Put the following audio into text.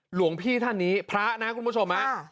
หลวงพี่ท่านนี้พระนะคุณผู้ชมฮะ